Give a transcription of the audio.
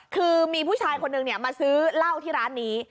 คือมีผู้ชายคนนึงมาซื้อเหล้าที่ร้านนี้